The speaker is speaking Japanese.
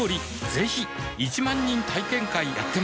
ぜひ１万人体験会やってますはぁ。